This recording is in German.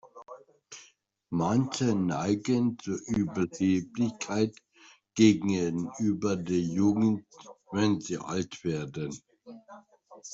Manche neigen zu Überheblichkeit gegenüber der Jugend, wenn sie alt werden.